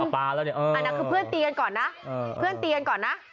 เพื่อนตีกันก่อนนะ